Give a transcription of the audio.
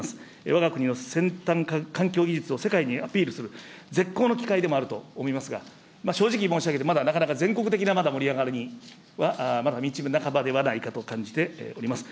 わが国の先端環境技術を世界にアピールする絶好の機会でもあると思いますが、正直申し上げて、まだなかなか全国的な、まだ盛り上がりには、まだ道半ばではないかと感じております。